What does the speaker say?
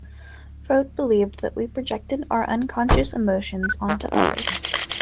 Freud believed that we projected our unconscious emotions onto others.